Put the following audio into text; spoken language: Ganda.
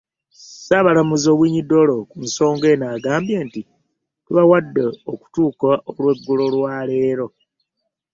Ssaabalamuzi Owiny-Dollo ku nsonga eno agambye nti, tubawadde okutuuka olw'eggulo lwa leero